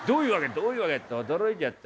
「どういう訳って驚いちゃったよ。